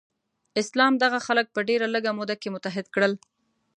اسلام دغه خلک په ډیره لږه موده کې متحد کړل.